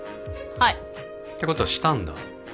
はいてことはしたんだ